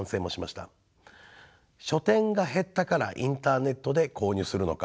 書店が減ったからインターネットで購入するのか。